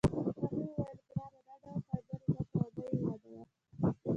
هغې وویل: ګرانه، دا ډول خبرې مه کوه، مه یې یادوه.